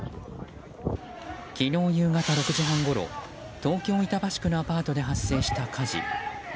昨日夕方６時半ごろ東京・板橋区のアパートで発生した火事。